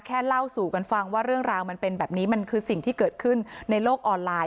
เล่าสู่กันฟังว่าเรื่องราวมันเป็นแบบนี้มันคือสิ่งที่เกิดขึ้นในโลกออนไลน์